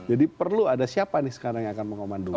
perlu ada siapa nih sekarang yang akan mengomandoi